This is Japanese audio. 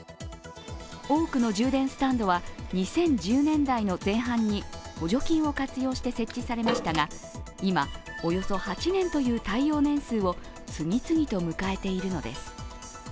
多くの充電スタンドは２０１０年代の前半に補助金を活用して設置されましたが、今、およそ８年という耐用年数を次々と迎えているのです。